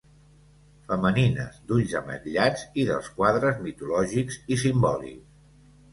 Femenines d’ulls ametllats i dels quadres mitològics i simbòlics.